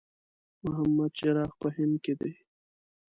محمد چراغ په هند کې دی.